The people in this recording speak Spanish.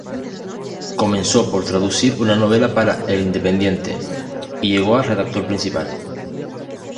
Comenzó por traducir una novela para "El Independiente" y llegó a redactor principal.